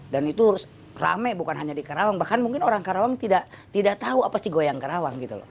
dan itu rame bukan hanya di karawang bahkan mungkin orang karawang tidak tahu apa sih goyang karawang